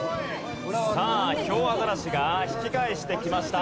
さあヒョウアザラシが引き返してきました。